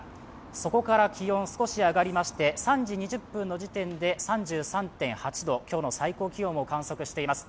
そこから気温少し上がりまして、３３．８度、今日の最高気温を観測しています。